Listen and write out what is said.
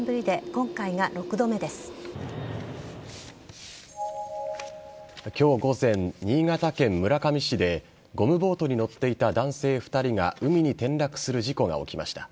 今日午前、新潟県村上市でゴムボートに乗っていた男性２人が海に転落する事故が起きました。